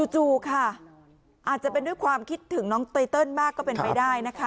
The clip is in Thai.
จู่ค่ะอาจจะเป็นด้วยความคิดถึงน้องไตเติลมากก็เป็นไปได้นะคะ